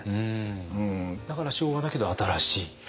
だから昭和だけど新しい？